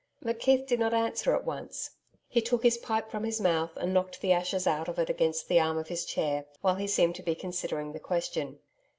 McKeith did not answer at once. He took his pipe from his mouth, and knocked the ashes out of it against the arm of his chair, while he seemed to be considering the question.